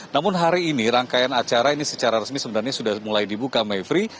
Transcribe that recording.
namun hari ini rangkaian acara ini secara resmi sebenarnya sudah mulai dibuka mevri